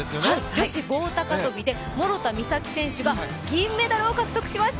女子棒高跳びで諸田実咲選手が銀メダルを獲得しました！